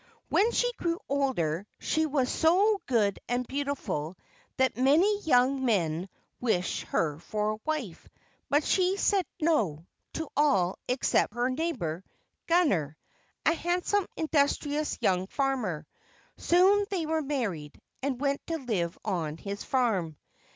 When she grew older, she was so good and beautiful that many young men wished her for a wife, but she said "No" to all except to her neighbour, Gunner, a handsome, industrious young farmer. Soon they were married, and went to live on his farm.